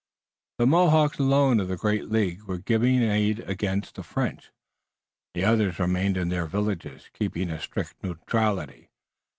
The Mohawks, alone of the great League, were giving aid against the French. The others remained in their villages, keeping a strict neutrality.